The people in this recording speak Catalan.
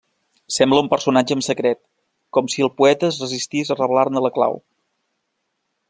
Sembla un personatge amb secret, com si el poeta es resistís a revelar-ne la clau.